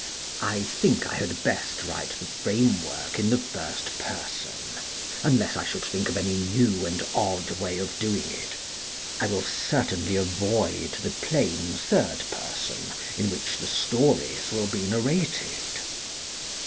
I think I had best write the framework in the first person — unless I should think of any new and odd way of doing it. I will certainly avoid the plain third person in which the stories will be narrated.